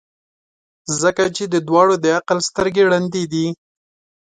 ځکه چي د دواړو د عقل سترګي ړندې دي.